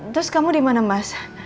terus kamu dimana mas